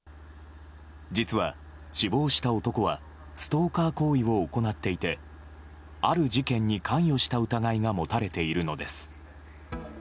実は死亡した男はストーカー行為を行っていてある事件に関与した疑いが持たれているのです。